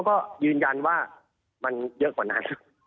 ก็ยืนยันว่ามันเยอะกว่านั้น